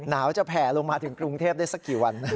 หนาวจะแผ่ลงมาถึงกรุงเทพได้สักกี่วัน